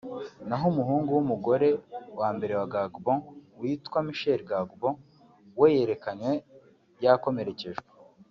naho umuhungu w’umugore wa mbere wa Gbagbo witwa Michel Gbagbo we yerekanywe yakomerekejwe